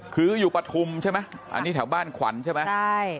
คืออยู่ปฐุมใช่ไหมอันนี้แถวบ้านขวัญใช่ไหมใช่